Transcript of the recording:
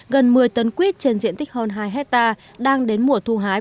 gần một mươi tấn quýt trên diện tích hơn hai hectare đang đến mùa thu hái